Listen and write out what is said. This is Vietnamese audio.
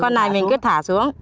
không con này mình cứ thả xuống